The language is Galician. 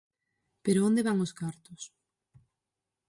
Pero onde van os cartos?